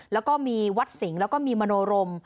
แล้วก็มีวัดสิงห์แล้วก็มีมโนรม